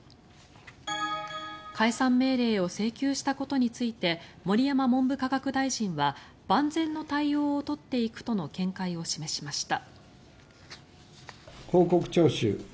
解散命令を請求したことについて盛山文部科学大臣は万全の対応を取っていくとの見解を示しました。